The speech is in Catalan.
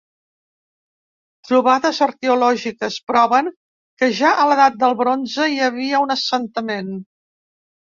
Trobades arqueològiques proven que ja a l'edat del bronze hi havia un assentament.